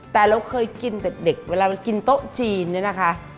แต่เราเคยกินแต่เด็กเวลากินโต๊ะจีนนะคะ